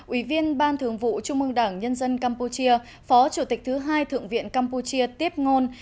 ủy viên ban thường vụ trung ương đảng nhân dân campuchia phó chủ tịch thứ hai thượng viện campuchia tiếp ngôn